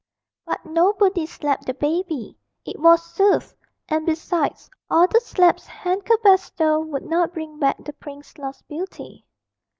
But nobody slapped the baby it was soothed; and, besides, all the slaps hand could bestow would not bring back the prince's lost beauty.